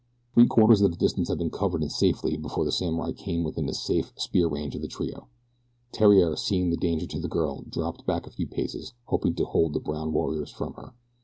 Three quarters of the distance had been covered in safety before the samurai came within safe spear range of the trio. Theriere, seeing the danger to the girl, dropped back a few paces hoping to hold the brown warriors from her.